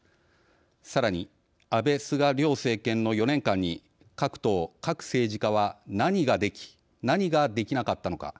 さらに安倍・菅両政権の４年間に各党・各政治家は何ができ、何ができなかったのか。